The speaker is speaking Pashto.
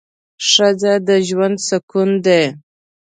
ښځه د ژوند سکون دی